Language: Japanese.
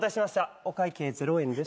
お会計０円です。